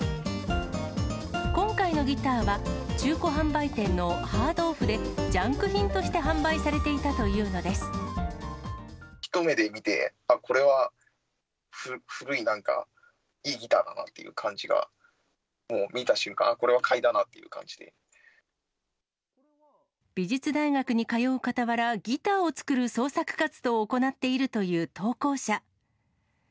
今回のギターは、中古販売店のハードオフで、ジャンク品として販売されていた一目で見て、あ、これは古い、なんか、いいギターだなっていう感じが、もう見た瞬間、美術大学に通うかたわら、ギターを作る創作活動を行っているという投稿者。